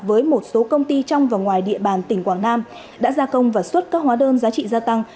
với một số công ty trong và ngoài địa bàn tỉnh quảng nam đã gia công và xuất các hóa đơn giá trị gia tăng